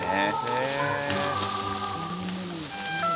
へえ。